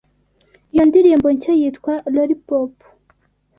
Iyo ndirimbo nshya yitwa "Lollipop".